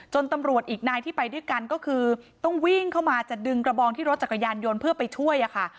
ตำรวจอีกนายที่ไปด้วยกันก็คือต้องวิ่งเข้ามาจะดึงกระบองที่รถจักรยานยนต์เพื่อไปช่วยอะค่ะ